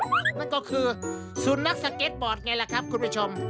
นั่นก็คือสุนัขสเก็ตบอร์ดไงล่ะครับคุณผู้ชม